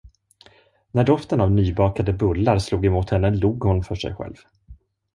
När doften av nybakade bullar slog emot henne log hon för sig själv.